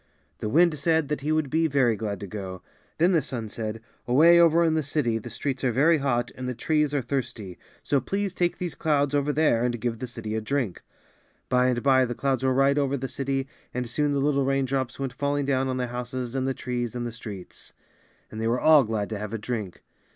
The wind said that he would be very glad to go. Then the sun said, "Away over in the city, the streets are very hot and the trees are thirsty, so please take these clouds over there and give the city a drink." UP TO THE SKY AND BACK. 15 By and by, the clouds were right over the city, and soon the little raindrops went falling down on the houses and the trees and the streets; and they were all glad to have a drink.